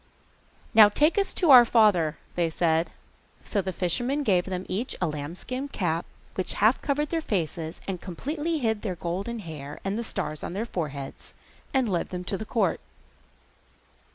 'Now take us to our father,' said they. So the fisherman gave them each a lambskin cap which half covered their faces, and completely hid their golden hair and the stars on their foreheads, and led them to the court.